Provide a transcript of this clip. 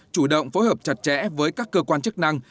chủ động phối hợp chặt chẽ với các cơ quan chức năng